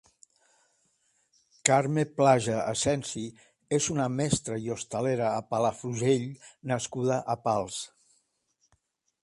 Carme Plaja Asensi és una mestra i hostalera a Palafrugell nascuda a Pals.